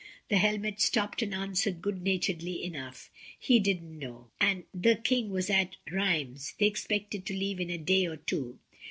The helmet stopped and answered good naturedly enough, "He didn't know, the King was at Rheims, they expected to leave in a day or two."